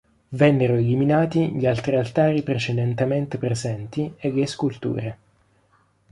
Vennero eliminati gli altri altari precedentemente presenti e le sculture.